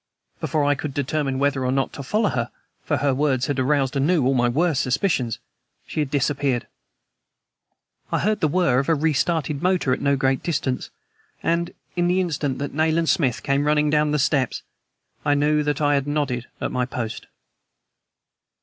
Before I could determine whether or not to follow her (for her words had aroused anew all my worst suspicions) she had disappeared! I heard the whir of a restarted motor at no great distance, and, in the instant that Nayland Smith came running down the steps, I knew that I had nodded at my post.